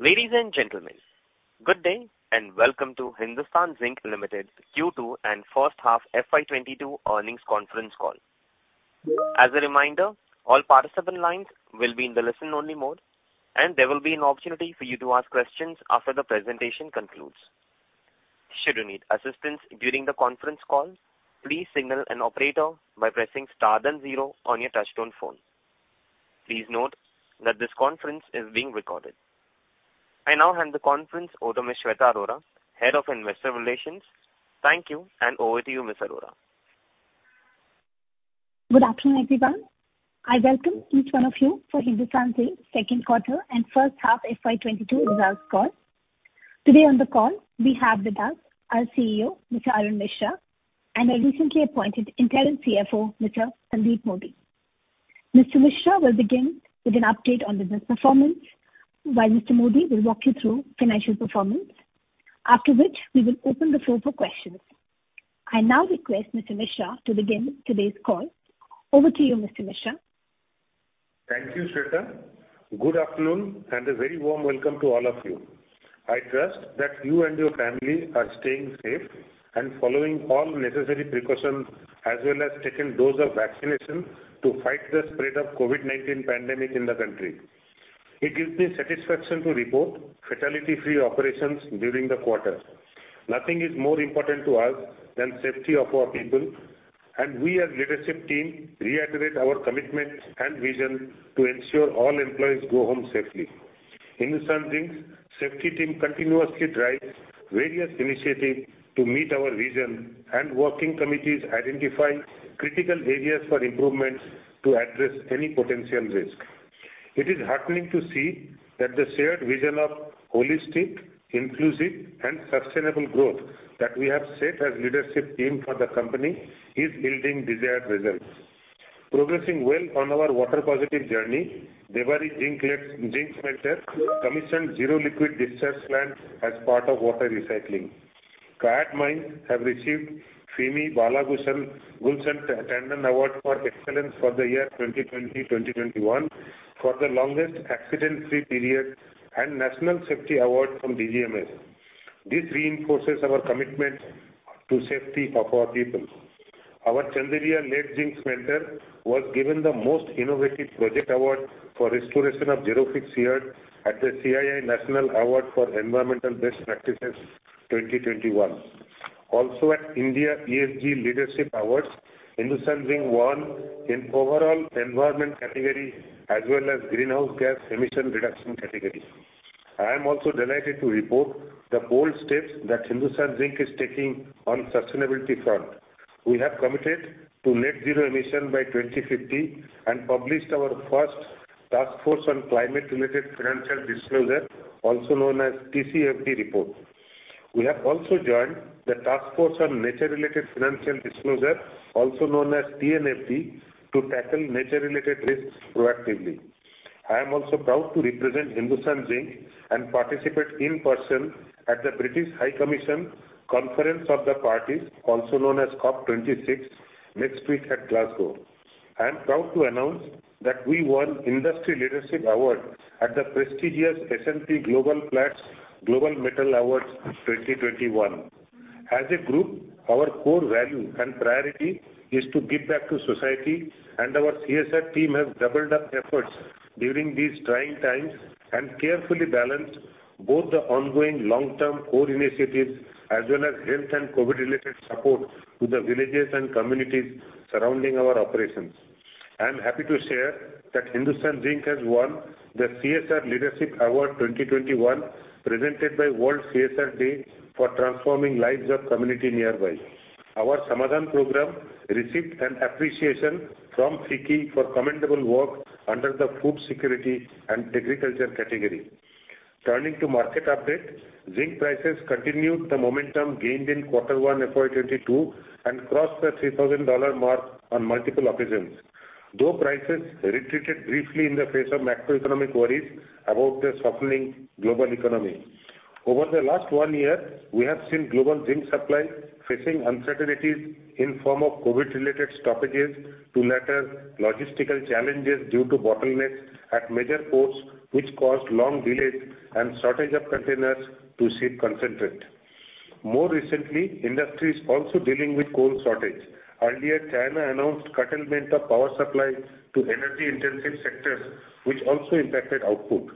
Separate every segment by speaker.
Speaker 1: Ladies and gentlemen, good day and welcome to Hindustan Zinc Limited Q2 and first half FY 2022 earnings conference call. I now hand the conference over to Ms. Shweta Arora, Head of Investor Relations. Thank you and over to you, Ms. Arora.
Speaker 2: Good afternoon, everyone. I welcome each one of you for Hindustan Zinc second quarter and first half FY 2022 results call. Today on the call we have with us our CEO, Mr. Arun Misra and our recently appointed interim CFO, Mr. Sandeep Modi. Mr. Misra will begin with an update on the business performance while Mr. Modi will walk you through financial performance, after which we will open the floor for questions. I now request Mr. Misra to begin today's call. Over to you, Mr. Misra.
Speaker 3: Thank you, Shweta. Good afternoon and a very warm welcome to all of you. I trust that you and your family are staying safe and following all necessary precautions, as well as taken dose of vaccination to fight the spread of COVID-19 pandemic in the country. It gives me satisfaction to report fatality-free operations during the quarter. Nothing is more important to us than safety of our people and we as leadership team reiterate our commitment and vision to ensure all employees go home safely. Hindustan Zinc's safety team continuously tries various initiatives to meet our vision and working committees identify critical areas for improvements to address any potential risk. It is heartening to see that the shared vision of holistic, inclusive and sustainable growth that we have set as leadership team for the company is building desired results. Progressing well on our water positive journey, Debari Zinc Smelter commissioned zero liquid discharge plant as part of water recycling. Kayad Mine have received FIMI Bala Gulshan Tandon Award of Excellence for the year 2020-2021 for the longest accident-free period and National Safety Award from DGMS. This reinforces our commitment to safety of our people. Our Chanderiya Lead Zinc Smelter was given the Most Innovative Project Award for restoration of Jarofix Yard at the CII National Award for Environmental Best Practices 2021. Also at ESG India Leadership Awards, Hindustan Zinc won in overall environment category as well as greenhouse gas emission reduction category. I am also delighted to report the bold steps that Hindustan Zinc is taking on sustainability front. We have committed to net zero emission by 2050 and published our first task force on climate related financial disclosure, also known as TCFD report. We have also joined the task force on nature related financial disclosure, also known as TNFD, to tackle nature related risks proactively. I am also proud to represent Hindustan Zinc and participate in person at the British High Commission Conference of the Parties, also known as COP26 next week at Glasgow. I'm proud to announce that we won Industry Leadership Award at the prestigious S&P Global Platts Global Metals Awards 2021. As a group, our core value and priority is to give back to society and our CSR team have doubled up efforts during these trying times and carefully balanced both the ongoing long term core initiatives as well as health and COVID related support to the villages and communities surrounding our operations. I'm happy to share that Hindustan Zinc has won the CSR Leadership Award 2021 presented by World CSR Day for transforming lives of community nearby. Our Samadhan program received an appreciation from FICCI for commendable work under the food security and agriculture category. Turning to market update, zinc prices continued the momentum gained in Quarter One FY 2022 and crossed the $3,000 mark on multiple occasions. Though prices retreated briefly in the face of macroeconomic worries about the softening global economy. Over the last one year, we have seen global zinc supply facing uncertainties in form of COVID related stoppages to latter logistical challenges due to bottlenecks at major ports, which caused long delays and shortage of containers to ship concentrate. More recently, industry is also dealing with coal shortage. Earlier, China announced curtailment of power supply to energy-intensive sectors, which also impacted output.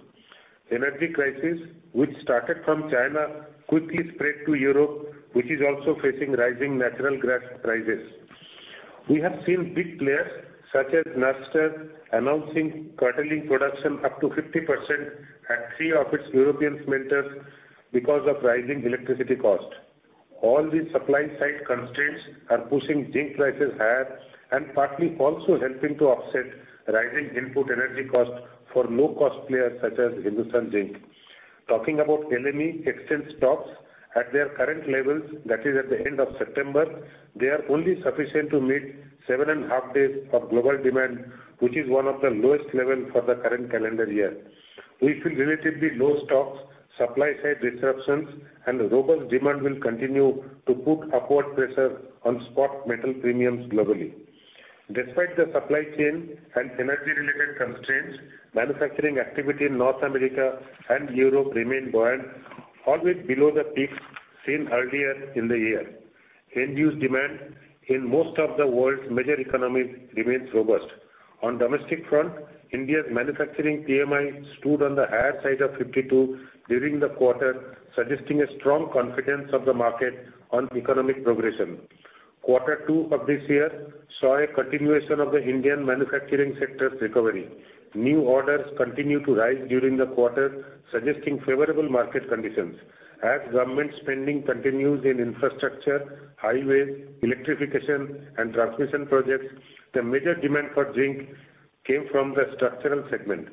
Speaker 3: Energy crisis, which started from China quickly spread to Europe, which is also facing rising natural gas prices. We have seen big players such as Nyrstar announcing curtailing production up to 50% at three of its European smelters because of rising electricity cost. All these supply side constraints are pushing zinc prices higher and partly also helping to offset rising input energy costs for low cost players such as Hindustan Zinc. Talking about LME exchange stocks at their current levels, that is at the end of September, they are only sufficient to meet 7.5 days of global demand, which is one of the lowest level for the current calendar year. We feel relatively low stocks, supply side disruptions and robust demand will continue to put upward pressure on spot metal premiums globally. Despite the supply chain and energy related constraints, manufacturing activity in North America and Europe remained buoyant, albeit below the peaks seen earlier in the year. End-use demand in most of the world's major economies remains robust. On domestic front, India's manufacturing PMI stood on the higher side of 52 during the quarter, suggesting a strong confidence of the market on economic progression. Quarter Two of this year saw a continuation of the Indian manufacturing sector's recovery. New orders continued to rise during the quarter, suggesting favorable market conditions. As government spending continues in infrastructure, highways, electrification and transmission projects, the major demand for zinc came from the structural segment,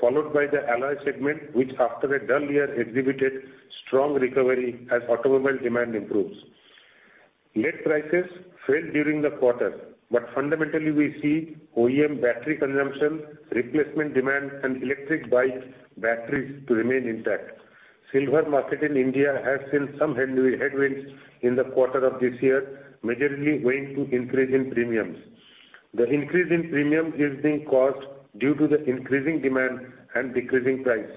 Speaker 3: followed by the alloy segment, which after a dull year exhibited strong recovery as automobile demand improves. Lead prices fell during the quarter, but fundamentally we see OEM battery consumption, replacement demand and electric bike batteries to remain intact. Silver market in India has seen some headwinds in the quarter of this year, majorly owing to increase in premiums. The increase in premium is being caused due to the increasing demand and decreasing price.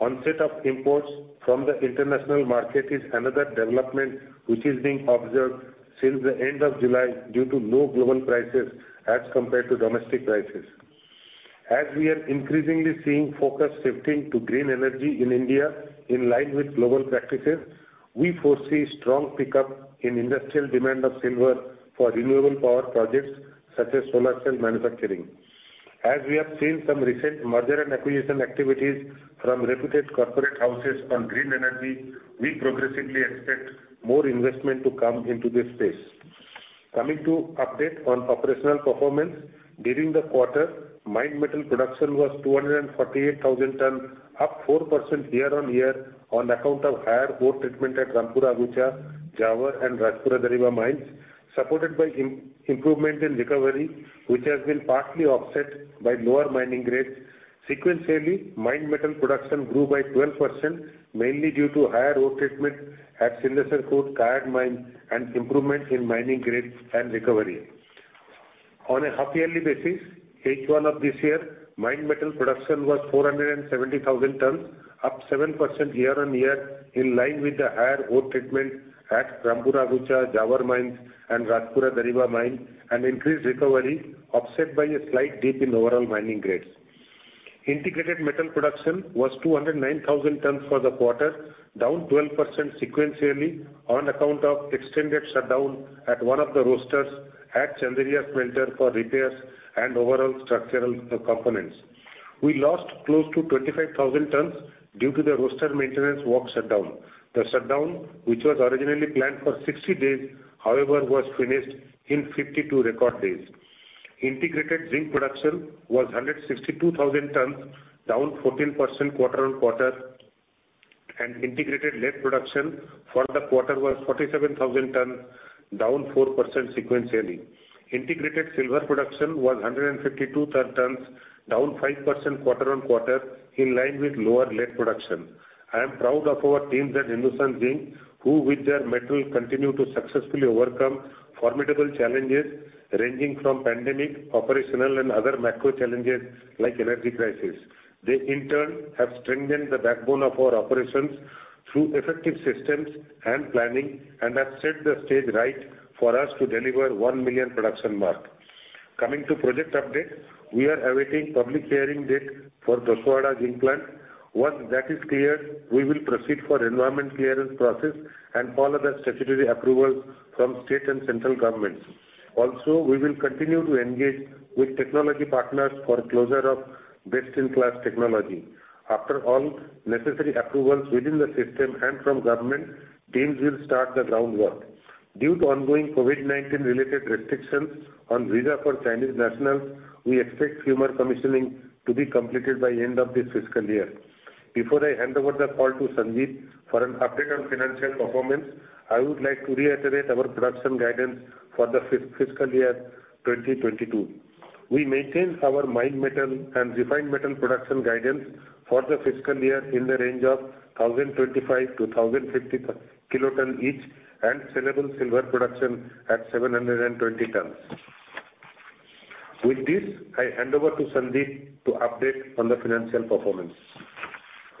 Speaker 3: Onset of imports from the international market is another development which is being observed since the end of July due to low global prices as compared to domestic prices. As we are increasingly seeing focus shifting to green energy in India, in line with global practices, we foresee strong pickup in industrial demand of silver for renewable power projects such as solar cell manufacturing. As we have seen some recent merger and acquisition activities from reputed corporate houses on green energy, we progressively expect more investment to come into this space. Coming to update on operational performance. During the quarter, mined metal production was 248,000 T, up 4% year-on-year on account of higher ore treatment at Rampura Agucha, Zawar and Rajpura Dariba mines, supported by improvement in recovery, which has been partly offset by lower mining grades. Sequentially, mined metal production grew by 12%, mainly due to higher ore treatment at Sindesar Khurd, Kayad Mine and improvement in mining grades and recovery. On a half-yearly basis, H1 of this year, mined metal production was 470,000 T, up 7% year-on-year in line with the higher ore treatment at Rampura Agucha, Zawar mines and Rajpura Dariba mine and increased recovery offset by a slight dip in overall mining grades. Integrated metal production was 209,000 T for the quarter, down 12% sequentially on account of extended shutdown at one of the roasters at Chanderiya Smelter for repairs and overall structural components. We lost close to 25,000 T due to the roaster maintenance work shutdown. The shutdown, which was originally planned for 60 days, however, was finished in 52 record days. Integrated zinc production was 162,000 T, down 14% quarter-on-quarter, and integrated lead production for the quarter was 47,000 T, down 4% sequentially. Integrated silver production was 152 T, down 5% quarter-on-quarter in line with lower lead production. I am proud of our teams at Hindustan Zinc, who with their mettle continue to successfully overcome formidable challenges ranging from pandemic, operational and other macro challenges like energy crisis. They in turn have strengthened the backbone of our operations through effective systems and planning and have set the stage right for us to deliver 1 million production mark. Coming to project updates, we are awaiting public hearing date for Doswada Zinc Plant. Once that is cleared, we will proceed for environment clearance process and follow the statutory approvals from state and central governments. Also, we will continue to engage with technology partners for closure of best in class technology. After all necessary approvals within the system and from government, teams will start the groundwork. Due to ongoing COVID-19 related restrictions on visa for Chinese nationals, we expect Fumer commissioning to be completed by end of this fiscal year. Before I hand over the call to Sandeep for an update on financial performance, I would like to reiterate our production guidance for the fiscal year 2022. We maintain our mined metal and refined metal production guidance for the fiscal year in the range of 1,025 KT-1,050 KT each and sellable silver production at 720 T. With this, I hand over to Sandeep to update on the financial performance.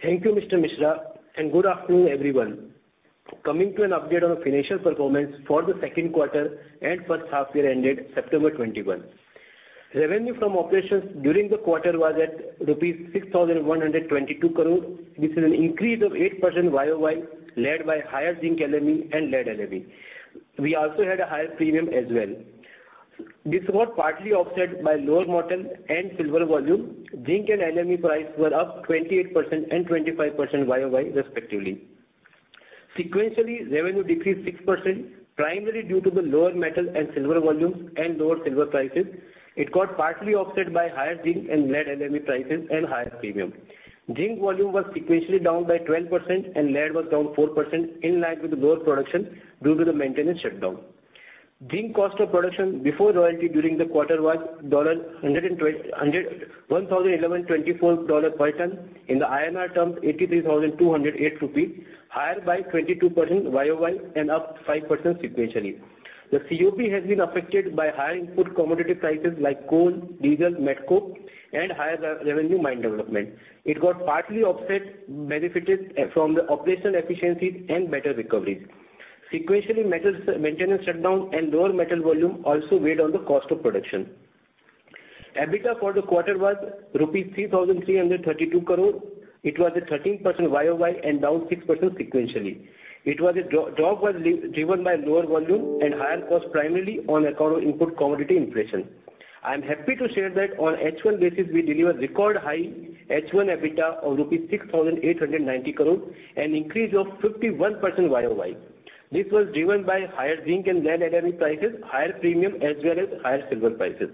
Speaker 4: Thank you, Mr. Misra, and good afternoon, everyone. An update on financial performance for the second quarter and first half-year ended September 2021. Revenue from operations during the quarter was at rupees 6,122 crore. This is an increase of 8% YoY, led by higher Zinc LME and Lead LME. We also had a higher premium as well. This was partly offset by lower metal and silver volume. Zinc and LME price were up 28% and 25% YoY respectively. Sequentially, revenue decreased 6%, primarily due to the lower metal and silver volumes and lower silver prices. It got partly offset by higher Zinc and Lead LME prices and higher premium. Zinc volume was sequentially down by 12% and Lead was down 4% in line with lower production due to the maintenance shutdown. Zinc cost of production before royalty during the quarter was $1,124 per ton. In the INR term 83,208 rupees, higher by 22% YoY and up 5% sequentially. The COP has been affected by higher input commodity prices like coal, diesel, met coke, and higher revenue mine development. It got partly offset, benefited from the operational efficiencies and better recoveries. Sequentially, metals maintenance shutdown and lower metal volume also weighed on the cost of production. EBITDA for the quarter was rupees 3,332 crore. It was a 13% YoY and down 6% sequentially. Drop was driven by lower volume and higher cost, primarily on account of input commodity inflation. I'm happy to share that on H1 basis, we delivered record high H1 EBITDA of 6,890 crore rupees, an increase of 51% YoY. This was driven by higher zinc and lead LME prices, higher premium as well as higher silver prices.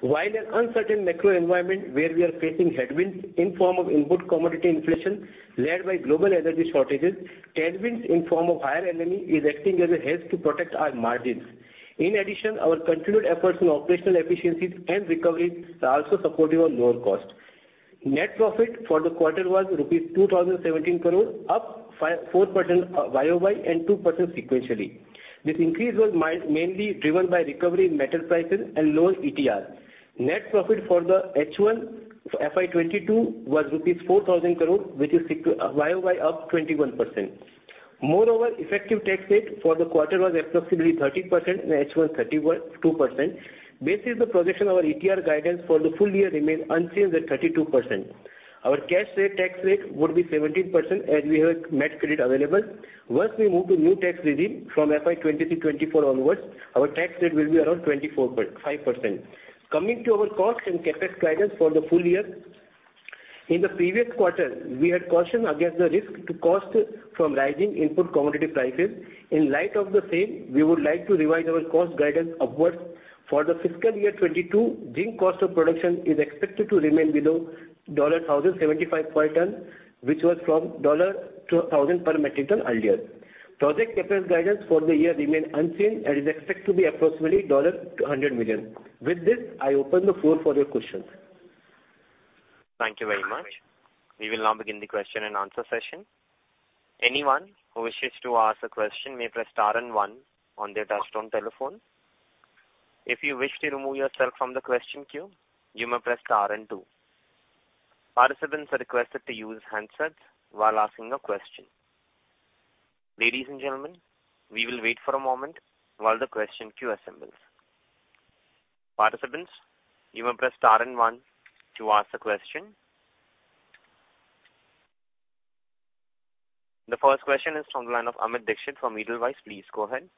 Speaker 4: While an uncertain macro environment where we are facing headwinds in form of input commodity inflation led by global energy shortages, tailwinds in form of higher LME is acting as a hedge to protect our margins. In addition, our continued efforts on operational efficiencies and recoveries are also supporting on lower cost. Net profit for the quarter was rupees 2,017 crore, up 4% YoY and 2% sequentially. This increase was mainly driven by recovery in metal prices and lower ETR. Net profit for the H1 FY 2022 was rupees 4,000 crore, which is YoY up 21%. Effective tax rate for the quarter was approximately 13% and H1 32%. Based on the projection of our ETR guidance for the full year remains unchanged at 32%. Our cash tax rate would be 17% as we have net credit available. Once we move to new tax regime from FY 2023, FY 2024 onwards, our tax rate will be around 25%. Coming to our cost and CapEx guidance for the full year. In the previous quarter, we had cautioned against the risk to cost from rising input commodity prices. In light of the same, we would like to revise our cost guidance upwards. For the fiscal year 2022, zinc cost of production is expected to remain below $1,075 per ton, which was from $1,000 per metric ton earlier. Project CapEx guidance for the year remain unchanged and is expected to be approximately $100 million. With this, I open the floor for your questions.
Speaker 1: Thank you very much. We will now begin the question and answer session. Ladies and gentlemen, we will wait for a moment while the question queue assembles. Participants, you may press star and one to ask a question. The first question is from the line of Amit Dixit from Edelweiss. Please go ahead.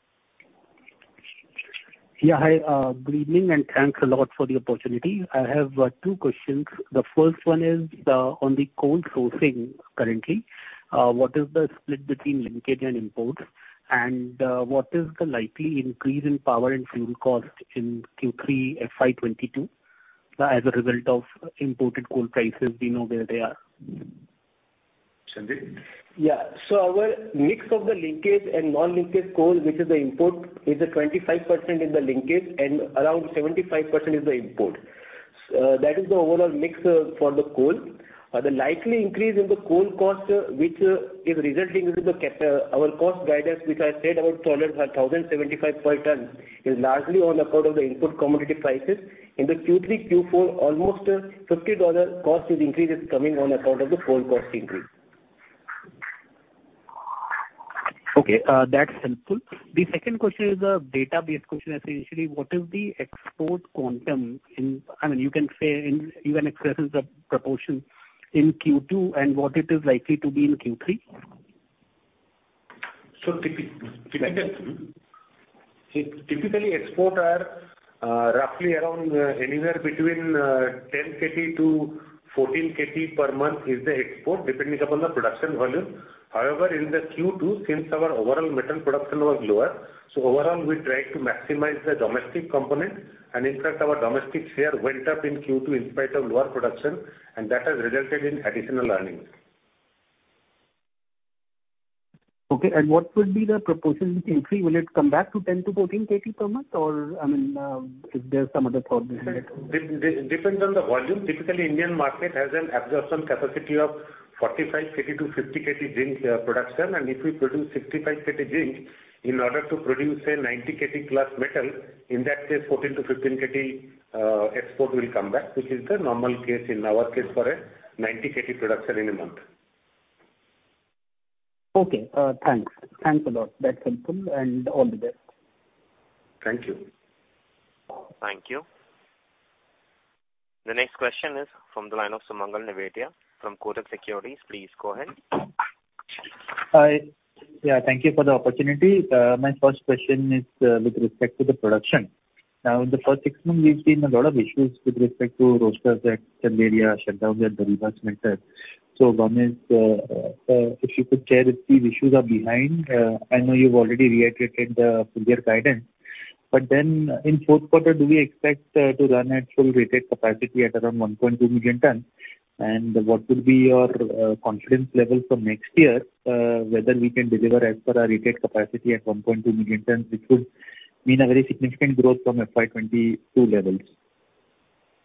Speaker 5: Yeah. Hi. Good evening, and thanks a lot for the opportunity. I have two questions. The first one is on the coal sourcing currently. What is the split between linkage and imports, and what is the likely increase in power and fuel cost in Q3 FY 2022 as a result of imported coal prices? We know where they are.
Speaker 3: Sandeep?
Speaker 4: Yeah. Our mix of the linkage and non-linkage coal, which is the import, is 25% in the linkage and around 75% is the import. That is the overall mix for the coal. The likely increase in the coal cost, which is resulting into our cost guidance, which I said about $1,075 per ton, is largely on account of the input commodity prices. In the Q3, Q4, almost $50 cost is increase is coming on account of the coal cost increase.
Speaker 5: Okay, that's helpful. The second question is a data-based question. Essentially, what is the export quantum in, you can say in even express as a proportion in Q2 and what it is likely to be in Q3?
Speaker 3: Typically export are roughly around anywhere between 10 KT-14 KT per month is the export, depending upon the production volume. However, in the Q2, since our overall metal production was lower, so overall, we try to maximize the domestic component. And in fact, our domestic share went up in Q2 in spite of lower production, and that has resulted in additional earnings.
Speaker 5: Okay, what would be the proportion in Q3? Will it come back to 10 KT-14 KT per month or is there some other problem in it?
Speaker 3: Depends on the volume. Typically, Indian market has an absorption capacity of 45 KT-50 KT zinc production, and if we produce 65 KT zinc in order to produce a 90 KT+ metal, in that case, 14 KT-15 KT export will come back, which is the normal case in our case for a 90 KT production in a month.
Speaker 5: Okay, thanks. Thanks a lot. That's helpful. All the best.
Speaker 3: Thank you.
Speaker 1: Thank you. The next question is from the line of Sumangal Nevatia from Kotak Securities. Please go ahead.
Speaker 6: Hi. Yeah, thank you for the opportunity. My first question is with respect to the production. Now, in the first six months, we've seen a lot of issues with respect to roasters at Chanderiya shutdown at Dariba smelter. Ganesh, if you could share if these issues are behind. I know you've already reiterated the full year guidance, in fourth quarter, do we expect to run at full rated capacity at around 1.2 million T? What would be your confidence level for next year, whether we can deliver as per our rated capacity at 1.2 million T, which would mean a very significant growth from FY 2022 levels?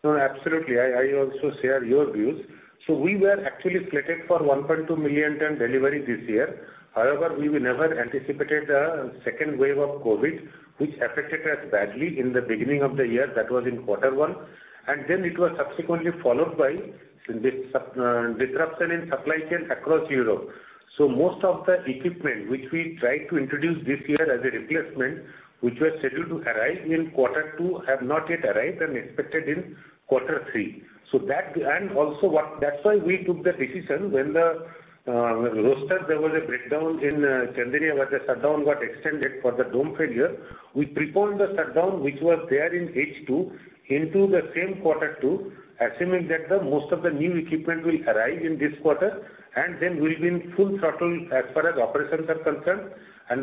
Speaker 3: No, absolutely. I also share your views. We were actually slated for 1.2 million T delivery this year. However, we never anticipated the second wave of COVID-19, which affected us badly in the beginning of the year. That was in Quarter One, and then it was subsequently followed by this disruption in supply chain across Europe. Most of the equipment which we tried to introduce this year as a replacement, which were scheduled to arrive in Quarter Two, have not yet arrived and expected in Quarter Three. That's why we took the decision when at Nyrstar there was a breakdown in Chanderiya, where the shutdown got extended for the dome failure. We preponed the shutdown, which was there in H2 into the same Quarter Two, assuming that most of the new equipment will arrive in this quarter, and then we'll be in full throttle as far as operations are concerned.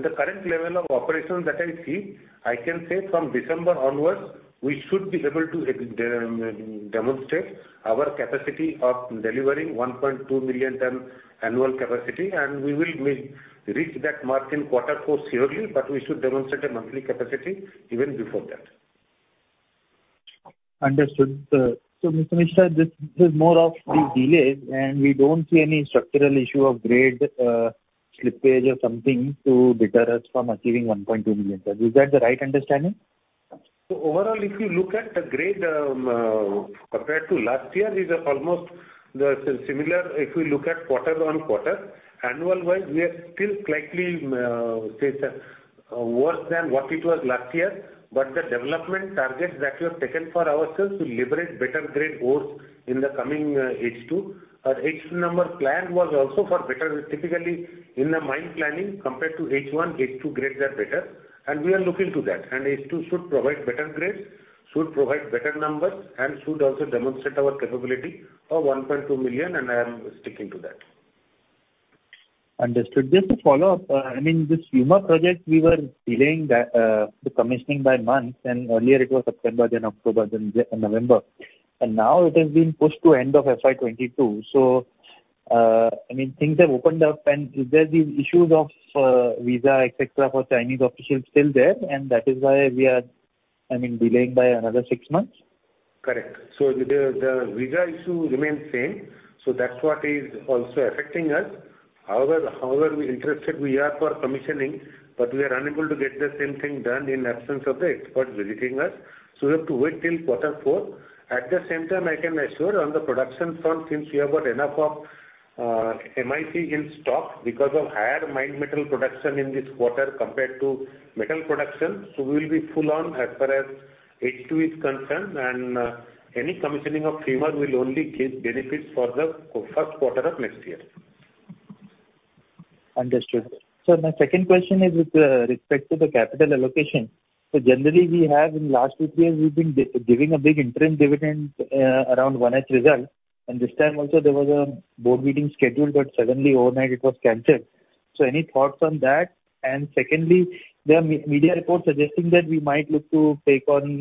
Speaker 3: The current level of operations that I see, I can say from December onwards, we should be able to demonstrate our capacity of delivering 1.2 million ton annual capacity, and we will reach that mark in quarter four surely, but we should demonstrate a monthly capacity even before that.
Speaker 6: Understood. Mr. Misra, this is more of the delays, and we don't see any structural issue of grade slippage or something to deter us from achieving 1.2 million T. Is that the right understanding?
Speaker 3: Overall, if you look at the grade, compared to last year, these are almost similar, if you look at quarter-on-quarter. Annual-wise, we are still slightly worse than what it was last year, but the development targets that we have taken for ourselves to liberate better grade ores in the coming H2. Our H2 number plan was also for better. Typically, in the mine planning, compared to H1, H2 grades are better, and we are looking to that. H2 should provide better grades, should provide better numbers, and should also demonstrate our capability of 1.2 million T, and I am sticking to that.
Speaker 6: Understood. Just to follow up, this Fumer project, we were delaying the commissioning by months. Earlier it was September, then October, then November. Now it has been pushed to end of FY 2022. Things have opened up, there's these issues of visa, et cetera, for Chinese officials still there, that is why we are delaying by another six months?
Speaker 3: Correct. The visa issue remains same. That's what is also affecting us. However interested we are for commissioning, but we are unable to get the same thing done in absence of the experts visiting us. We have to wait till quarter four. At the same time, I can assure on the production front, since we have got enough of MIC in stock because of higher mine metal production in this quarter compared to metal production, we will be full on as far as H2 is concerned, and any commissioning of Fumer will only give benefits for the first quarter of next year.
Speaker 6: Understood. Sir, my second question is with respect to the capital allocation. Generally, in last few years, we've been giving a big interim dividend around H1 result. This time also there was a board meeting scheduled, but suddenly overnight it was canceled. Any thoughts on that? Secondly, there are media reports suggesting that we might look to take on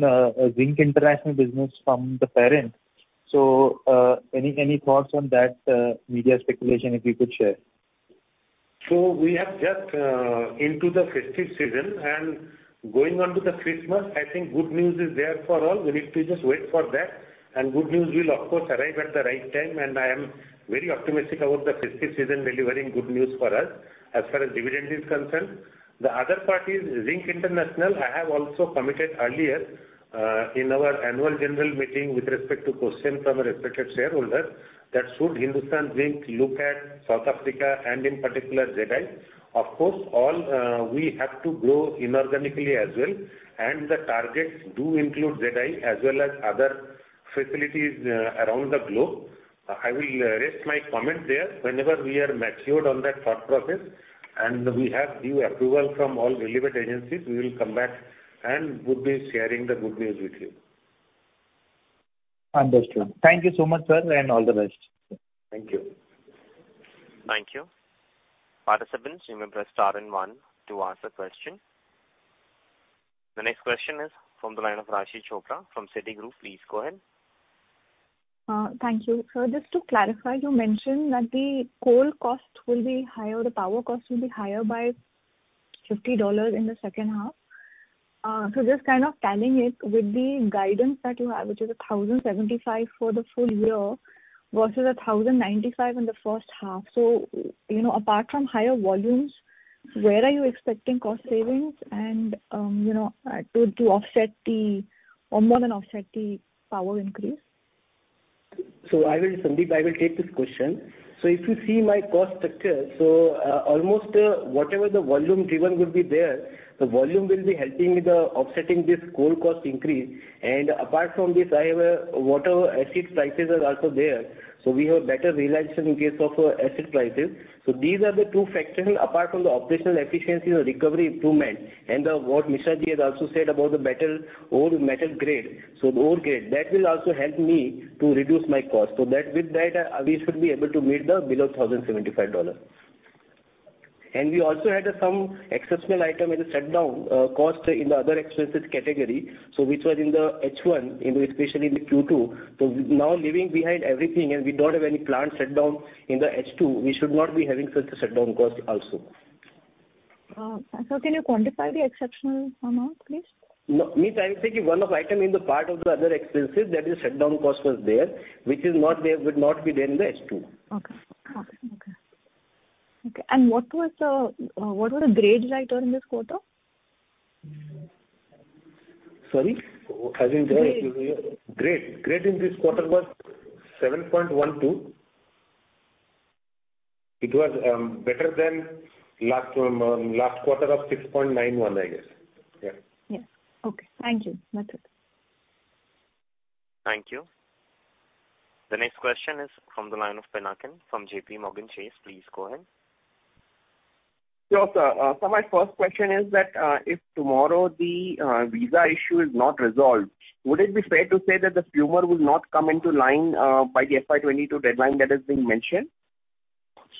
Speaker 6: Zinc International business from the parent. Any thoughts on that media speculation, if you could share?
Speaker 3: We are just into the festive season, and going onto the Christmas, I think good news is there for all. We need to just wait for that, and good news will of course arrive at the right time, and I am very optimistic about the festive season delivering good news for us, as far as dividend is concerned. The other part is Zinc International. I have also committed earlier, in our annual general meeting with respect to question from a respected shareholder, that should Hindustan Zinc look at South Africa and in particular, ZI. Of course, we have to grow inorganically as well, and the targets do include ZI as well as other facilities around the globe. I will rest my comment there. Whenever we are matured on that thought process, and we have due approval from all relevant agencies, we will come back and would be sharing the good news with you.
Speaker 6: Understood. Thank you so much, sir, and all the best.
Speaker 3: Thank you.
Speaker 1: Thank you. Participants, you may press star and one to ask a question. The next question is from the line of Raashi Chopra from Citigroup. Please go ahead.
Speaker 7: Thank you. Sir, just to clarify, you mentioned that the coal cost will be higher, the power cost will be higher by $50 in the second half. Just kind of tallying it with the guidance that you have, which is $1,075 for the full year versus $1,095 in the first half. Apart from higher volumes, where are you expecting cost savings and to more than offset the power increase?
Speaker 4: Sandeep, I will take this question. If you see my cost structure, almost whatever the volume driven would be there, the volume will be helping with offsetting this coal cost increase. Apart from this, I have a water acid prices are also there. We have better realization in case of acid prices. These are the two factors apart from the operational efficiencies or recovery improvement and what Misra has also said about the better ore metal grade. The ore grade, that will also help me to reduce my cost. With that, we should be able to meet the below $1,075. We also had some exceptional item in the shutdown cost in the other expenses category, which was in the H1, especially in the Q2. Now leaving behind everything and we don't have any plant shutdown in the H2, we should not be having such a shutdown cost also.
Speaker 7: Can you quantify the exceptional amount, please?
Speaker 4: No. I am saying one of item in the part of the other expenses, that is shutdown cost was there, which would not be there in the H2.
Speaker 7: Okay. What was the grade like during this quarter?
Speaker 3: Sorry.
Speaker 7: Grade.
Speaker 3: Grade in Quarter One was 7.12. It was better than last quarter of 6.91, I guess.
Speaker 7: Yes. Okay. Thank you. That's it.
Speaker 1: Thank you. The next question is from the line of Pinakin Patel from JPMorgan Chase. Please go ahead.
Speaker 8: Sure, sir. My first question is that, if tomorrow the visa issue is not resolved, would it be fair to say that the Fumer will not come into line by the FY 2022 deadline that has been mentioned?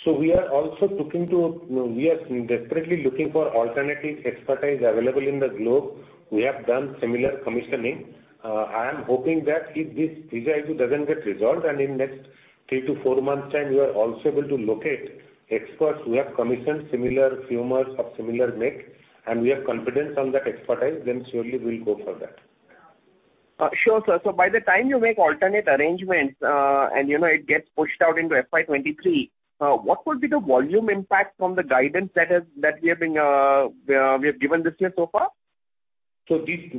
Speaker 3: We are desperately looking for alternative expertise available in the globe. We have done similar commissioning. I am hoping that if this visa issue does not get resolved, and in next three to four months time, we are also able to locate experts. We have commissioned similar Fumers of similar make, and we have confidence on that expertise, then surely we will go for that.
Speaker 8: Sure, sir. By the time you make alternate arrangements, and it gets pushed out into FY 2023, what would be the volume impact from the guidance that we have given this year so far?
Speaker 3: This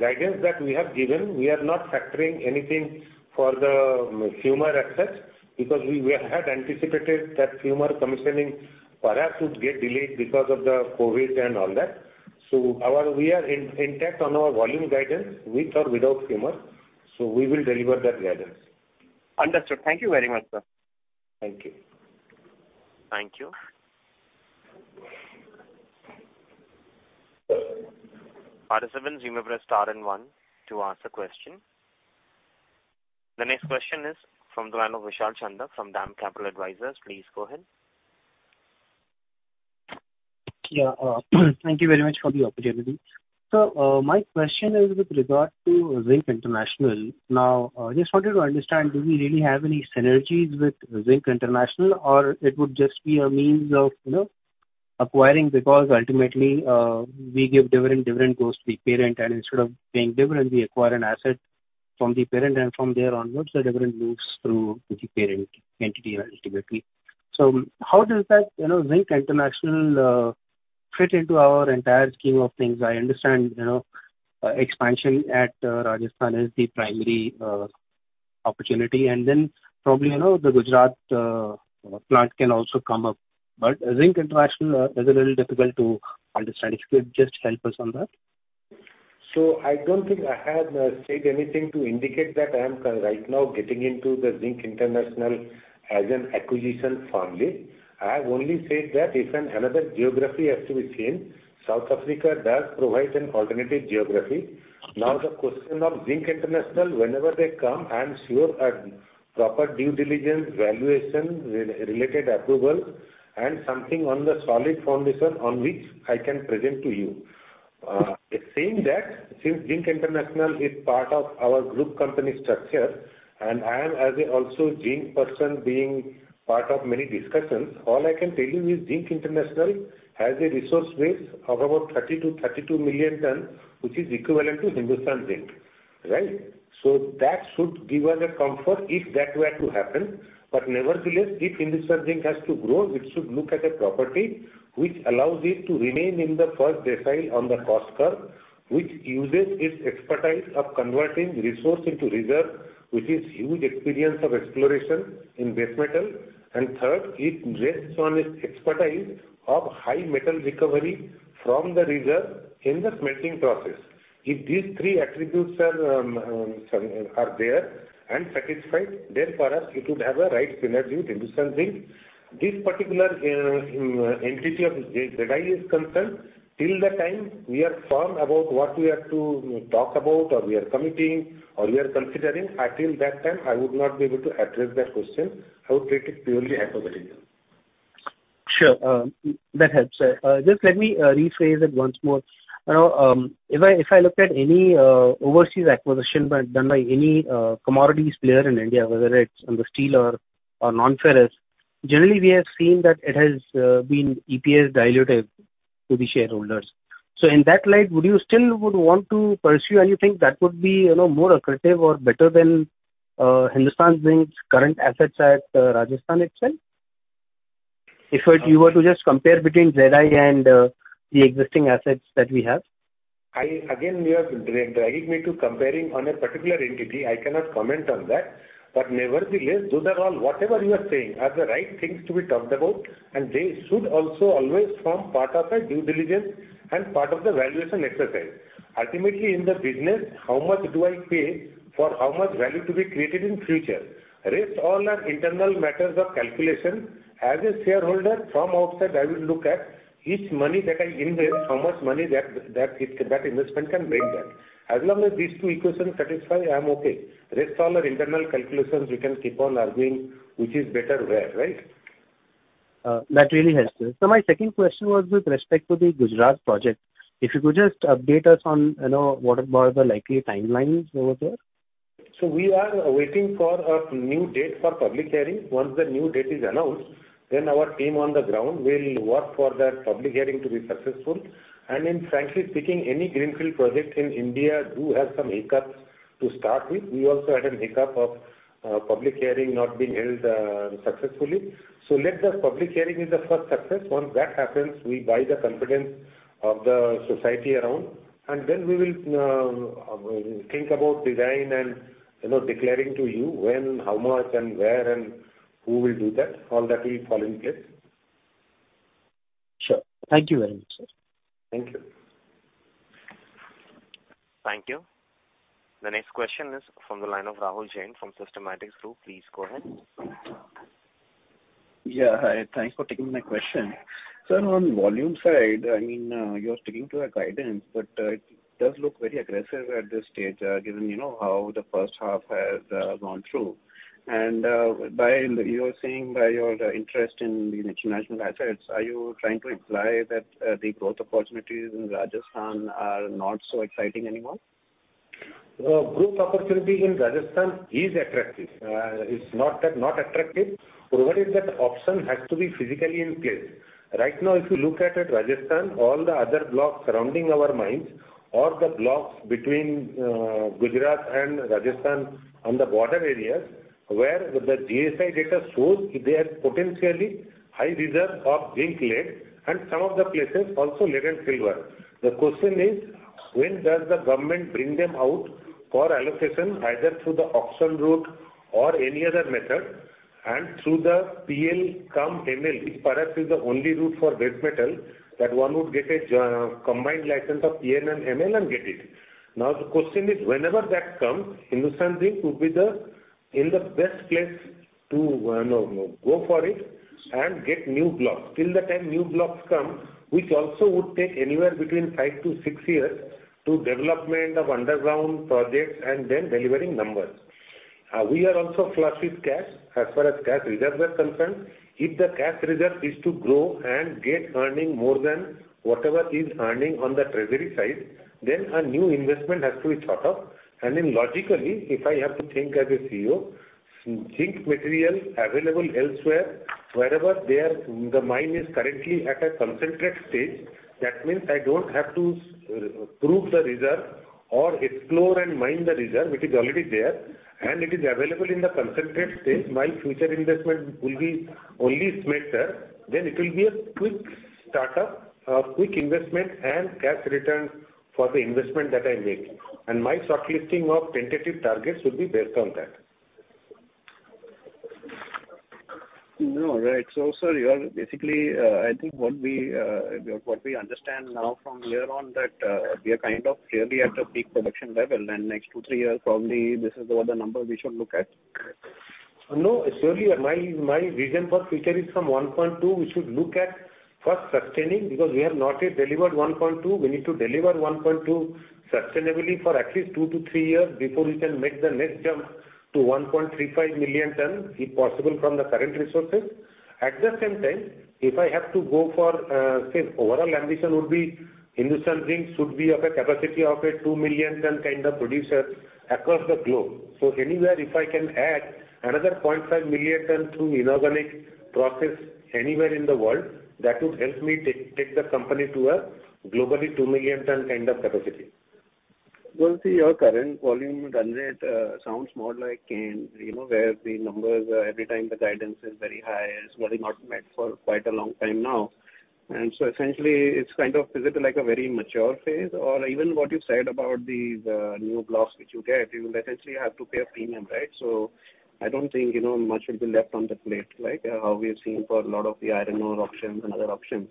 Speaker 3: guidance that we have given, we are not factoring anything for the Fumer assets because we had anticipated that Fumer commissioning perhaps would get delayed because of the COVID and all that. We are intact on our volume guidance with or without Fumer. We will deliver that guidance.
Speaker 8: Understood. Thank you very much, sir.
Speaker 3: Thank you.
Speaker 1: Thank you. The next question is from the line of Vishal Chandak from DAM Capital Advisors. Please go ahead.
Speaker 9: Yeah. Thank you very much for the opportunity. Sir, my question is with regard to Zinc International. Now, I just wanted to understand, do we really have any synergies with Zinc International, or it would just be a means of acquiring because ultimately, we give dividend goes to the parent, and instead of paying dividend, we acquire an asset from the parent and from there onwards, the dividend moves through to the parent entity ultimately. How does that Zinc International fit into our entire scheme of things? I understand expansion at Rajasthan is the primary opportunity and then probably, the Gujarat plant can also come up. Zinc International is a little difficult to understand. If you could just help us on that.
Speaker 3: I don't think I have said anything to indicate that I am right now getting into the Zinc International as an acquisition firmly. I have only said that if another geography has to be seen, South Africa does provide an alternative geography. The question of Zinc International, whenever they come, I'm sure a proper due diligence valuation related approval and something on the solid foundation on which I can present to you. Saying that, since Zinc International is part of our group company structure, and I am as a also Zinc person being part of many discussions, all I can tell you is Zinc International has a resource base of about 30 million T-32 million T, which is equivalent to Hindustan Zinc, right? That should give us a comfort if that were to happen. Nevertheless, if Hindustan Zinc has to grow, it should look at a property which allows it to remain in the first decile on the cost curve, which uses its expertise of converting resource into reserve with its huge experience of exploration in base metal. Third, it rests on its expertise of high metal recovery from the reserve in the smelting process. If these three attributes are there and satisfied, for us it would have a right synergy with Hindustan Zinc. This particular entity of ZI is concerned, till the time we are firm about what we have to talk about or we are committing or we are considering, until that time, I would not be able to address that question. I would treat it purely hypothetical.
Speaker 9: Sure. That helps, sir. Just let me rephrase it once more. If I look at any overseas acquisition done by any commodities player in India, whether it's under steel or non-ferrous, generally we have seen that it has been EPS dilutive to the shareholders. In that light, would you still want to pursue anything that would be more accretive or better than Hindustan Zinc's current assets at Rajasthan itself? If you were to just compare between ZI and the existing assets that we have.
Speaker 3: Again, you are dragging me to comparing on a particular entity. I cannot comment on that. Nevertheless, those are all whatever you are saying are the right things to be talked about, and they should also always form part of a due diligence and part of the valuation exercise. Ultimately, in the business, how much do I pay for how much value to be created in future? Rest all are internal matters of calculation. As a shareholder, from outside I will look at each money that I invest, how much money that investment can bring back. As long as these two equations satisfy, I'm okay. Rest all are internal calculations. We can keep on arguing which is better where, right?
Speaker 9: That really helps, sir. My second question was with respect to the Gujarat project. If you could just update us on what are the likely timelines over there?
Speaker 3: We are waiting for a new date for public hearing. Once the new date is announced, then our team on the ground will work for that public hearing to be successful. Frankly speaking, any greenfield project in India does have some hiccups to start with. We also had a hiccup of public hearing not being held successfully. Let the public hearing be the first success. Once that happens, we buy the confidence of the society around, and then we will think about design and declaring to you when, how much and where and who will do that. All that will fall in place.
Speaker 9: Sure. Thank you very much, sir.
Speaker 3: Thank you.
Speaker 1: Thank you. The next question is from the line of Rahul Jain from Systematix Group. Please go ahead.
Speaker 10: Yeah. Hi. Thanks for taking my question. On volume side, you're sticking to the guidance, but it does look very aggressive at this stage, given how the first half has gone through. By your interest in international assets, are you trying to imply that the growth opportunities in Rajasthan are not so exciting anymore?
Speaker 3: Growth opportunity in Rajasthan is attractive. It's not that it's not attractive. Provided that option has to be physically in place. Right now, if you look at Rajasthan, all the other blocks surrounding our mines or the blocks between Gujarat and Rajasthan on the border areas, where the GSI data shows they have potentially high reserve of zinc, lead, and some of the places also lead and silver. The question is, when does the government bring them out for allocation, either through the auction route or any other method and through the PL-cum-ML is perhaps the only route for base metal that one would get a combined license of PL and ML and get it. Now, the question is, whenever that comes, Hindustan Zinc would be in the best place to go for it and get new blocks. Until the time new blocks come, which also would take anywhere between five to six years for development of underground projects and then delivering numbers. We are also flush with cash as far as cash reserves are concerned. If the cash reserve is to grow and get earning more than whatever is earning on the treasury side, then a new investment has to be thought of. Logically, if I have to think as a CEO, zinc material available elsewhere, wherever there the mine is currently at a concentrate stage. That means I don't have to prove the reserve or explore and mine the reserve. It is already there, and it is available in the concentrate stage. My future investment will be only smelter. It will be a quick startup, quick investment, and cash returns for the investment that I make. My shortlisting of tentative targets would be based on that.
Speaker 10: No, right. Sir, basically, I think what we understand now from here on that we are kind of clearly at a peak production level and next two, three years probably this is what the number we should look at.
Speaker 3: No. Surely my vision for future is from 1.2 million T, we should look at first sustaining because we have not yet delivered 1.2 million T. We need to deliver 1.2 million T sustainably for at least two to three years before we can make the next jump to 1.35 million T, if possible, from the current resources. At the same time, if I have to go for, say, overall ambition would be Hindustan Zinc should be of a capacity of a 2 million T kind of producer across the globe. Anywhere if I can add another 0.5 million T through inorganic process anywhere in the world, that would help me take the company to a globally 2 million T kind of capacity.
Speaker 10: Well, see, your current volume run rate sounds more like where the numbers every time the guidance is very high, is really not met for quite a long time now. Essentially, it's kind of, is it like a very mature phase? Even what you said about these new blocks which you get, you will essentially have to pay a premium, right? I don't think much will be left on the plate, like how we have seen for a lot of the RNO options and other options.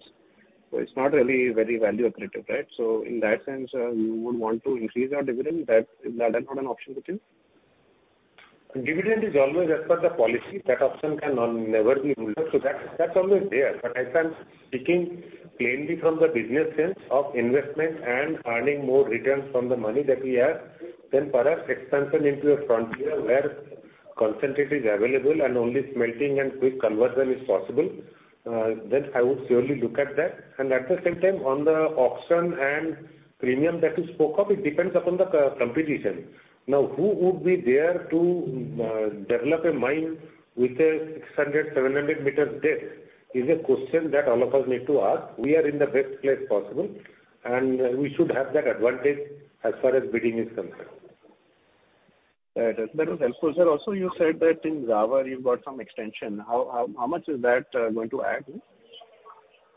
Speaker 10: It's not really very value accretive, right? In that sense, you would want to increase our dividend. Is that not an option with you?
Speaker 3: Dividend is always as per the policy. That option can never be ruled out. That's always there. As I'm speaking plainly from the business sense of investment and earning more returns from the money that we have, perhaps expansion into a frontier where concentrate is available and only smelting and quick conversion is possible, I would surely look at that. At the same time, on the auction and premium that you spoke of, it depends upon the competition. Who would be there to develop a mine with a 600 m, 700 m depth is a question that all of us need to ask. We are in the best place possible, and we should have that advantage as far as bidding is concerned.
Speaker 10: That was helpful, sir. You said that in Zawar you got some extension. How much is that going to add in?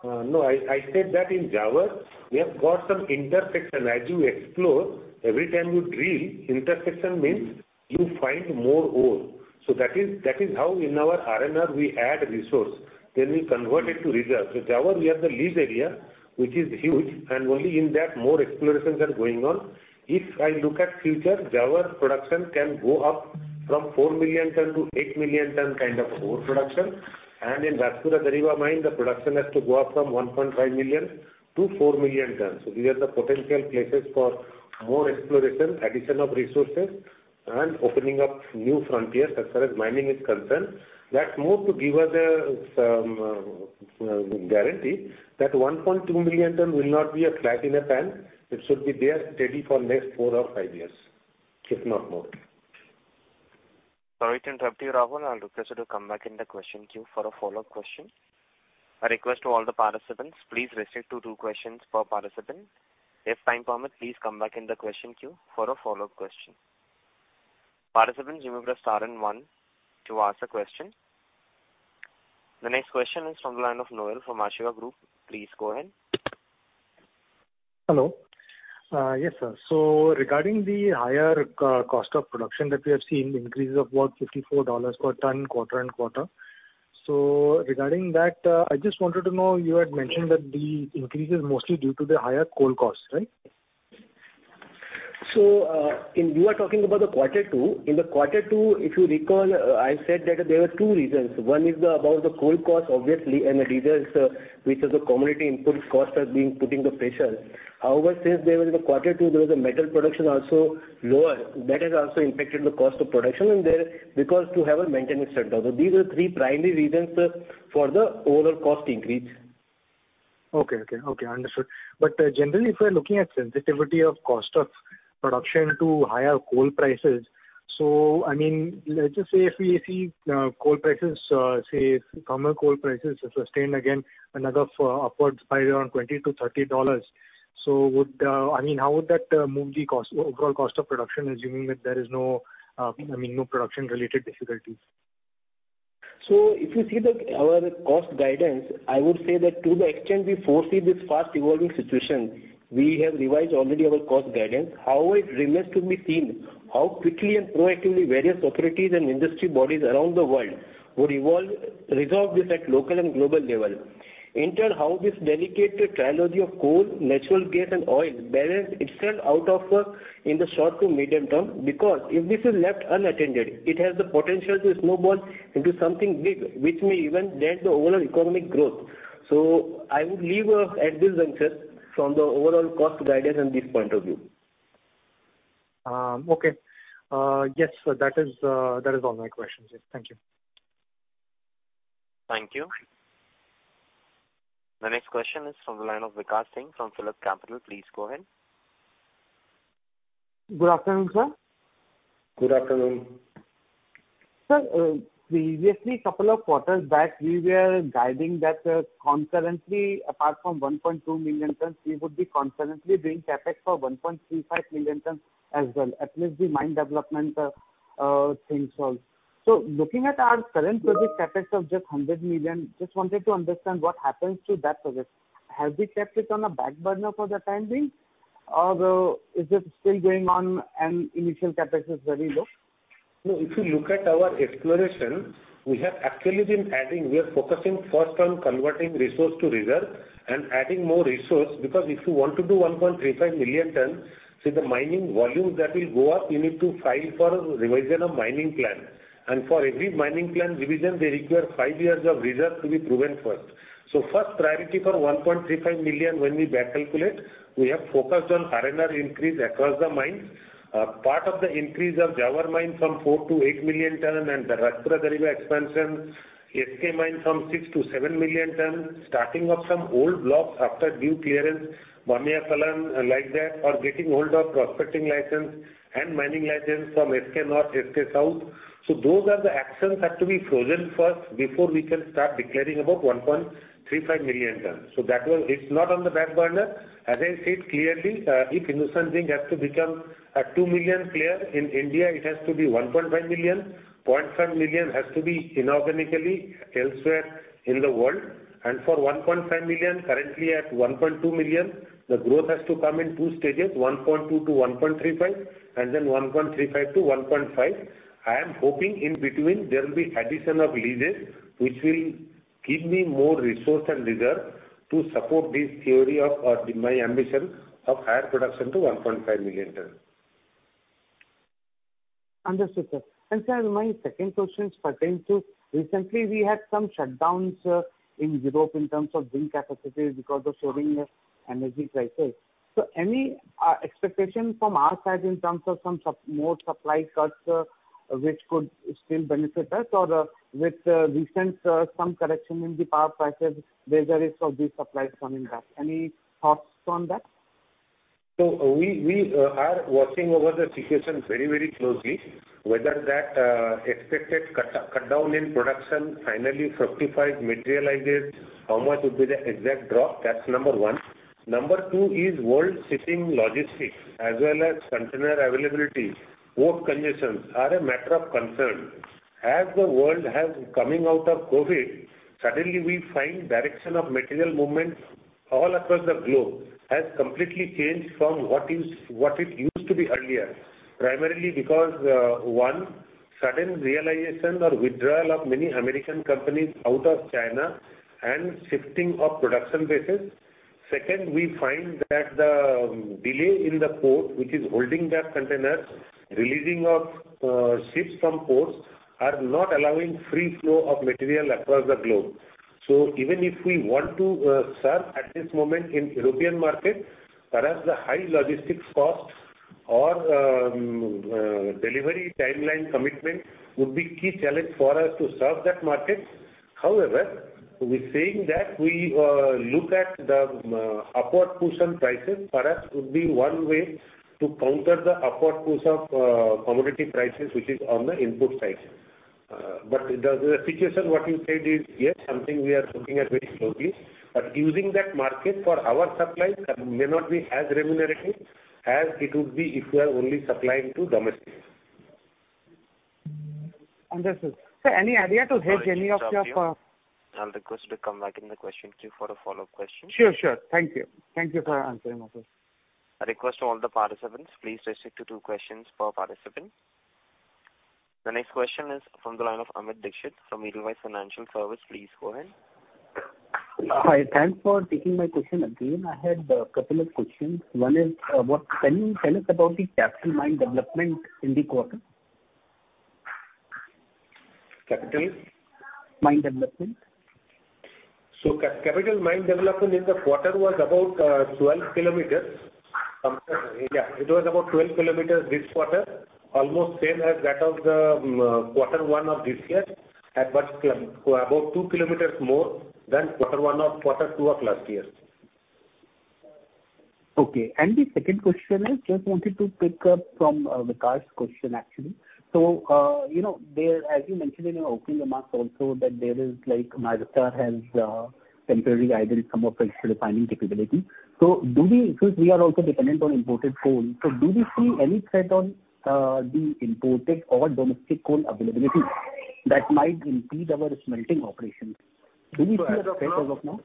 Speaker 3: No, I said that in Zawar, we have got some intersection. As you explore, every time you drill, intersection means you find more ore. That is how in our R&R we add resource, then we convert it to reserve. Zawar, we have the lease area, which is huge, and only in that more explorations are going on. If I look at future, Zawar production can go up from 4 million T-8 million T kind of ore production. In Rajpura Dariba mine, the production has to go up from 1.5 million T-4 million T. These are the potential places for more exploration, addition of resources, and opening up new frontiers as far as mining is concerned. That's more to give us a guarantee that 1.2 million T will not be a flat in a pan. It should be there steady for next four or five years, if not more.
Speaker 1: Sorry to interrupt you, Rahul. I'll request you to come back in the question queue for a follow-up question. The next question is from the line of Noel from Ashiva Group. Please go ahead.
Speaker 11: Hello. Yes, sir. Regarding the higher cost of production that we have seen increases of about $54 per ton quarter-on-quarter. Regarding that, I just wanted to know, you had mentioned that the increase is mostly due to the higher coal cost, right?
Speaker 4: You are talking about the Quarter Two. In the Quarter Two, if you recall, I said that there were two reasons. One is about the coal cost, obviously, and the other is because the commodity input costs have been putting the pressure. Since in the Quarter Two, there was a metal production also lower. That has also impacted the cost of production because to have a maintenance shutdown. These are three primary reasons for the overall cost increase.
Speaker 11: Okay. Understood. Generally, if we're looking at sensitivity of cost of production to higher coal prices, let's just say if we see coal prices, say thermal coal prices sustained again another upwards by around $20-$30. How would that move the overall cost of production, assuming that there is no production-related difficulties?
Speaker 4: If you see our cost guidance, I would say that to the extent we foresee this fast-evolving situation, we have revised already our cost guidance. However, it remains to be seen how quickly and proactively various authorities and industry bodies around the world would resolve this at local and global level. In turn, how this dedicated trilogy of coal, natural gas, and oil balance itself out in the short to medium term. If this is left unattended, it has the potential to snowball into something big, which may even dent the overall economic growth. I would leave at this juncture from the overall cost guidance and this point of view.
Speaker 11: Okay. Yes, that is all my questions. Thank you.
Speaker 1: Thank you. The next question is from the line of Vikash Singh from PhillipCapital. Please go ahead.
Speaker 12: Good afternoon, sir.
Speaker 3: Good afternoon.
Speaker 12: Sir, previously couple of quarters back, we were guiding that concurrently, apart from 1.2 million T, we would be concurrently doing CapEx for 1.35 million T as well, at least the mine development things all. Looking at our current project CapEx of just 100 million T, just wanted to understand what happens to that project. Have we kept it on a back burner for the time being? Is it still going on and initial CapEx is very low?
Speaker 3: If you look at our exploration, we have actually been adding. We are focusing first on converting resource to reserve and adding more resource because if you want to do 1.35 million T, see the mining volume that will go up, you need to file for revision of mining plan. For every mining plan revision, they require five years of reserve to be proven first. First priority for 1.35 million, when we back calculate, we have focused on R&R increase across the mines. Part of the increase of Zawar mine from 4 million T-8 million T and the Rajpura Dariba expansion, SK mine from 6 million T-7 million T, starting of some old blocks after due clearance, Bamnia Kalan like that, or getting hold of prospecting license and mining license from SK North, SK South. Those are the actions have to be frozen first before we can start declaring about 1.35 million T. It's not on the back burner. As I said clearly, if Hindustan Zinc has to become a 2 million player in India, it has to be 1.5 million T. 0.5 million T has to be inorganically elsewhere in the world. For 1.5 million T currently at 1.2 million T, the growth has to come in two stages, 1.2 million T-1.35 million T, and then 1.35 million T-1.5 million T. I am hoping in between there will be addition of leases, which will give me more resource and reserve to support this theory of my ambition of higher production to 1.5 million T.
Speaker 12: Understood, sir. Sir, my second question pertains to recently we had some shutdowns in Europe in terms of zinc capacities because of soaring energy prices. Any expectation from our side in terms of some more supply cuts which could still benefit us? With recent some correction in the power prices, there's a risk of these supplies coming back. Any thoughts on that?
Speaker 3: We are watching over the situation very closely, whether that expected cut down in production finally fructifies, materializes, how much would be the exact drop, that's number one. Number two is world shipping logistics as well as container availability. Port congestions are a matter of concern. As the world has coming out of COVID-19, suddenly we find direction of material movement all across the globe has completely changed from what it used to be earlier. Primarily because, one, sudden realization or withdrawal of many American companies out of China and shifting of production bases. Second, we find that the delay in the port, which is holding the containers, releasing of ships from ports are not allowing free flow of material across the globe. Even if we want to serve at this moment in European market, perhaps the high logistics costs or delivery timeline commitment would be key challenge for us to serve that market. However, we're saying that we look at the upward push on prices perhaps would be one way to counter the upward push of commodity prices, which is on the input side. The situation what you said is, yes, something we are looking at very closely, but using that market for our supplies may not be as remunerative as it would be if we are only supplying to domestic.
Speaker 12: Understood. Sir, any idea to hedge any of?
Speaker 1: I'll request you to come back in the question queue for the follow-up question.
Speaker 12: Sure. Thank you. Thank you for answering my question.
Speaker 1: A request to all the participants. Please restrict to two questions per participant. The next question is from the line of Amit Dixit from Edelweiss Financial Services. Please go ahead.
Speaker 5: Hi. Thanks for taking my question again. I had a couple of questions. One is, tell us about the capital mine development in the quarter.
Speaker 3: Capital?
Speaker 5: Mine development.
Speaker 3: Capital mine development in the quarter was about 12 km. It was about 12 km this quarter, almost same as that of the Quarter One of this year, about 2 km more than Quarter One or Quarter Two of last year.
Speaker 5: Okay. The second question is, just wanted to pick up from Vikas's question, actually. As you mentioned in your opening remarks also that Nyrstar has temporarily idled some of its refining capability. Since we are also dependent on imported coal, do we see any threat on the imported or domestic coal availability that might impede our smelting operations? Do we see a threat as of now?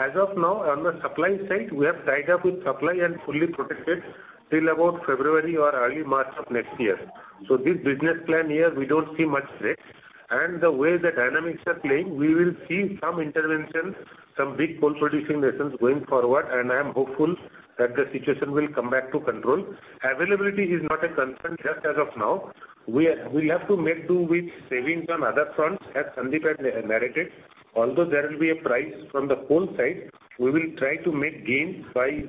Speaker 3: As of now, on the supply side, we are tied up with supply and fully protected till about February or early March of next year. This business plan year, we don't see much risk. The way the dynamics are playing, we will see some interventions, some big coal producing nations going forward, and I'm hopeful that the situation will come back to control. Availability is not a concern just as of now. We have to make do with savings on other fronts, as Sandeep had narrated. There will be a price from the coal side, we will try to make gains by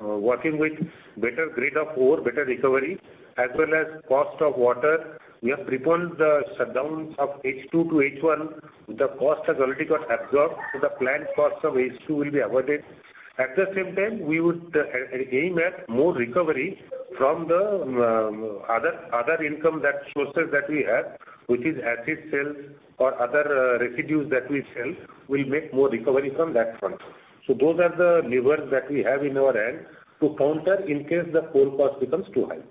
Speaker 3: working with better grade of ore, better recovery, as well as cost of water. We have preponed the shutdowns of H2 to H1. The cost has already got absorbed, so the planned cost of H2 will be avoided. At the same time, we would aim at more recovery from the other income sources that we have, which is acid sales or other residues that we sell. We'll make more recovery from that front. Those are the levers that we have in our hand to counter in case the coal cost becomes too high.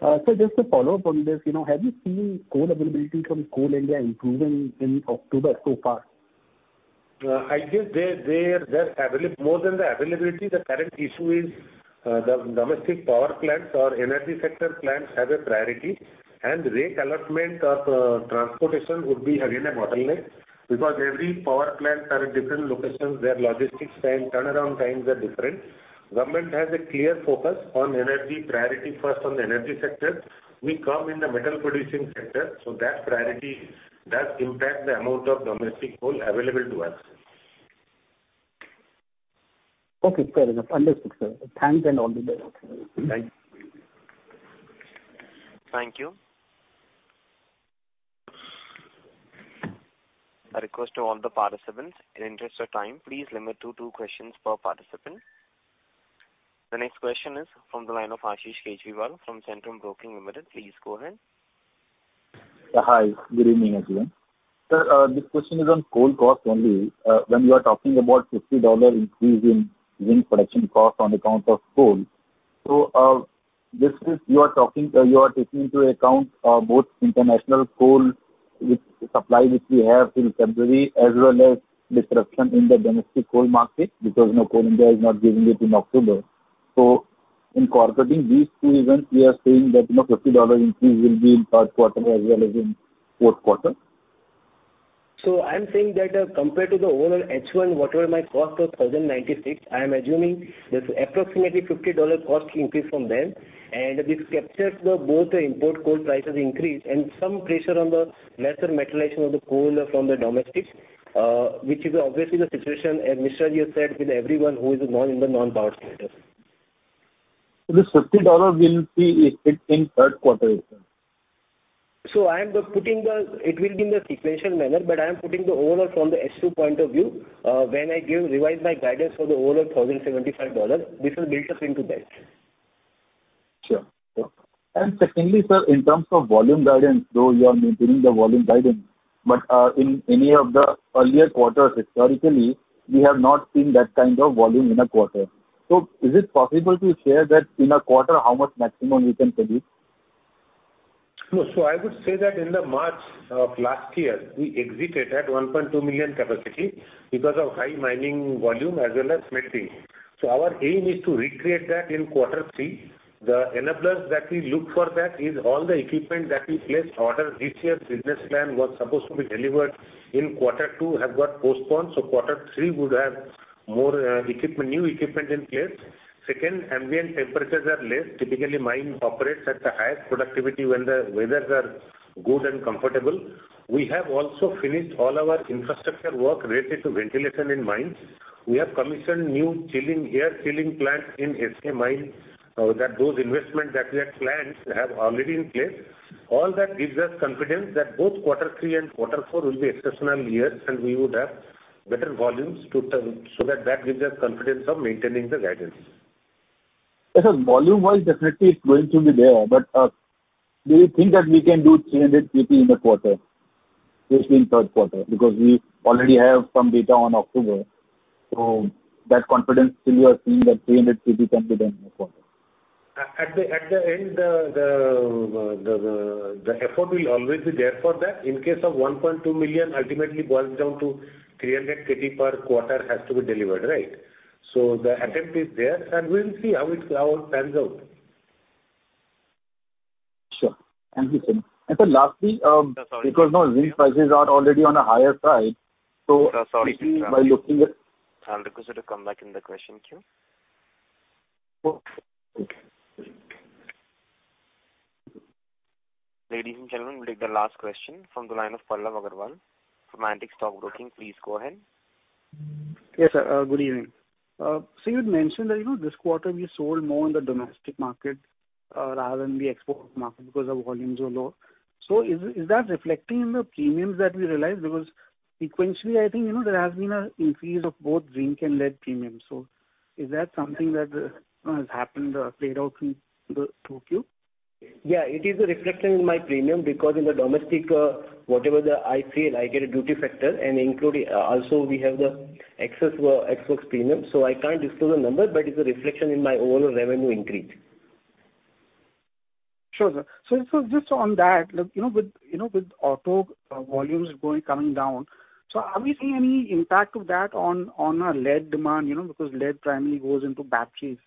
Speaker 5: Sir, just to follow up on this, have you seen coal availability from Coal India improving in October so far?
Speaker 3: I guess more than the availability, the current issue is the domestic power plants or energy sector plants have a priority, and rake allotment of transportation would be again a bottleneck because every power plant are at different locations. Their logistics time, turnaround times are different. Government has a clear focus on energy priority first on the energy sector. We come in the metal producing sector, so that priority does impact the amount of domestic coal available to us.
Speaker 5: Okay, fair enough. Understood, sir. Thanks. All the best.
Speaker 3: Thanks.
Speaker 1: Thank you. A request to all the participants, in interest of time, please limit to two questions per participant. The next question is from the line of Ashish Kejriwal from Centrum Broking Limited. Please go ahead.
Speaker 13: Hi. Good evening, everyone. Sir, this question is on coal cost only. You are talking about $50 increase in zinc production cost on account of coal. You are taking into account both international coal supply, which we have till February, as well as disruption in the domestic coal market because Coal India is not giving it in October. Incorporating these two events, we are saying that $50 increase will be in third quarter as well as in fourth quarter?
Speaker 4: I'm saying that compared to the overall H1, whatever my cost was $1,096, I am assuming there's approximately $50 cost increase from then. This captures the both import coal prices increase and some pressure on the lesser materialization of the coal from the domestics, which is obviously the situation, as Mr. Arun Misra said, with everyone who is in the non-power sector.
Speaker 13: This $50 will be effect in third quarter itself.
Speaker 4: It will be in the sequential manner. I am putting the overall from the H2 point of view. When I revise my guidance for the overall $1,075, this is built into that.
Speaker 13: Sure. Secondly, sir, in terms of volume guidance, though you are maintaining the volume guidance, but in any of the earlier quarters historically, we have not seen that kind of volume in a quarter. Is it possible to share that in a quarter how much maximum we can produce?
Speaker 3: I would say that in the March of last year, we executed at 1.2 million capacity because of high mining volume as well as smelting. Our aim is to recreate that in Quarter Three. The enablers that we look for that is all the equipment that we placed order this year's business plan was supposed to be delivered Quarter Two have got postponed, so Quarter Three would have more new equipment in place. Second, ambient temperatures are less. Typically, mine operates at a higher productivity when the weathers are good and comfortable. We have also finished all our infrastructure work related to ventilation in mines. We have commissioned new air chilling plant in SK mines. Those investment that we had planned have already in place. All that gives us confidence that both Quarter Three and Quarter Four will be exceptional years, and we would have better volumes so that gives us confidence of maintaining the guidance.
Speaker 13: Yes, sir. Volume-wise, definitely it's going to be there. Do you think that we can do 300 KT in a quarter, especially in third quarter? We already have some data on October, so that confidence still you are seeing that 300 KT can be done in a quarter.
Speaker 3: At the end, the effort will always be there for that. In case of 1.2 million ultimately boils down to 300 KT per quarter has to be delivered, right? The attempt is there, and we'll see how it pans out.
Speaker 13: Sure. Thank you, sir. And sir, lastly.
Speaker 1: Sorry to interrupt.
Speaker 13: Now zinc prices are already on a higher side.
Speaker 1: Sir, sorry to interrupt. I'll request you to come back in the question queue.
Speaker 13: Okay.
Speaker 1: Ladies and gentlemen, we will take the last question from the line of Pallav Agarwal from Antique Stock Broking. Please go ahead.
Speaker 14: Yes, sir. Good evening. You had mentioned that this quarter we sold more in the domestic market rather than the export market because the volumes were low. Is that reflecting in the premiums that we realized? Sequentially, I think, there has been an increase of both zinc and lead premiums. Is that something that has happened or played out in the 2Q?
Speaker 4: Yeah, it is reflecting in my premium because in the domestic, whatever the [EC], I get a duty factor, and also we have the excess premium. I can't disclose the number, but it's a reflection in my overall revenue increase.
Speaker 14: Sure, sir. Just on that, with auto volumes coming down, are we seeing any impact of that on our lead demand? Because lead primarily goes into batteries.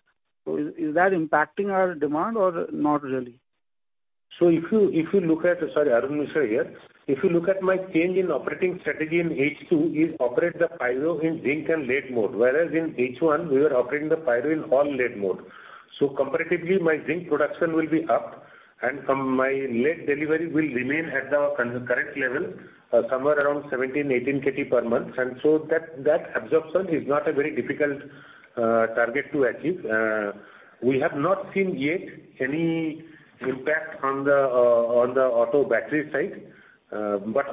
Speaker 14: Is that impacting our demand or not really?
Speaker 3: Arun Misra here. If you look at my change in operating strategy in H2, is operate the pyro in zinc and lead mode, whereas in H1, we were operating the pyro in all lead mode. Comparatively, my zinc production will be up and my lead delivery will remain at the current level, somewhere around 17 KT, 18 KT per month. That absorption is not a very difficult target to achieve. We have not seen yet any impact on the auto battery side.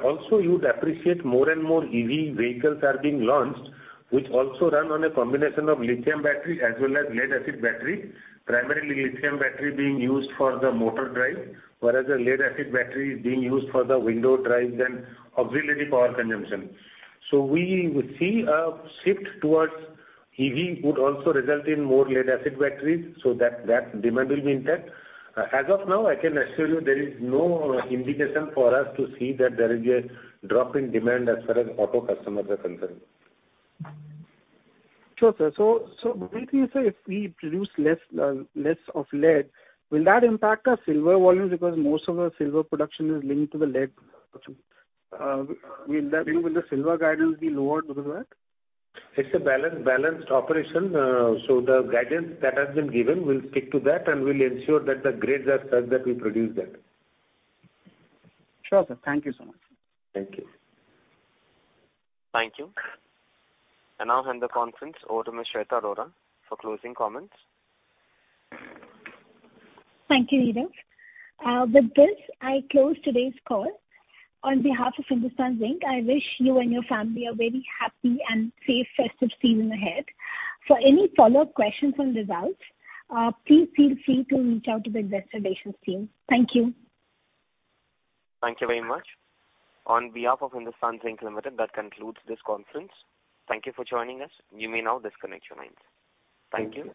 Speaker 3: Also, you'd appreciate more and more EV vehicles are being launched, which also run on a combination of lithium battery as well as lead acid battery. Primarily lithium battery being used for the motor drive, whereas the lead acid battery is being used for the window drives and auxiliary power consumption. We see a shift towards EV would also result in more lead acid batteries, so that demand will be intact. As of now, I can assure you there is no indication for us to see that there is a drop in demand as far as auto customers are concerned.
Speaker 14: Sure, sir. Briefly, sir, if we produce less of lead, will that impact our silver volumes because most of our silver production is linked to the lead. Will the silver guidance be lower because of that?
Speaker 3: It's a balanced operation. The guidance that has been given, we'll stick to that, and we'll ensure that the grades are such that we produce that.
Speaker 14: Sure, sir. Thank you so much.
Speaker 3: Thank you.
Speaker 1: Thank you. I now hand the conference over to Ms. Shweta Arora for closing comments.
Speaker 2: Thank you, Neeraj. With this, I close today's call. On behalf of Hindustan Zinc, I wish you and your family a very happy and safe festive season ahead. For any follow-up questions on results, please feel free to reach out to the investor relations team. Thank you.
Speaker 1: Thank you very much. On behalf of Hindustan Zinc Limited, that concludes this conference. Thank you for joining us. You may now disconnect your lines. Thank you.